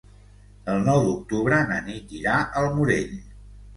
El nou d'octubre na Nit irà al Morell.